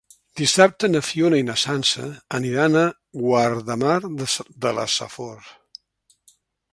Dissabte na Fiona i na Sança aniran a Guardamar de la Safor.